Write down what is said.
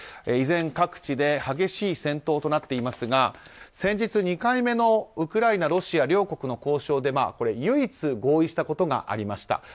依然、各地で激しい戦闘となっていますが先日２回目のウクライナ、ロシア両国の交渉で唯一合意したことがありました。